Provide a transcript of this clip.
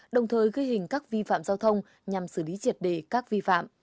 đồng thời ghi hình các vi phạm giao thông nhằm xử lý triệt đề các vi phạm